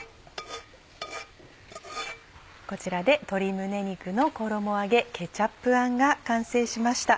こちらで「鶏胸肉の衣揚げケチャップあん」が完成しました。